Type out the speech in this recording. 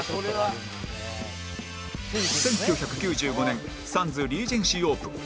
１９９５年サンズリージェンシーオープン